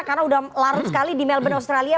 karena sudah larut sekali di melbourne australia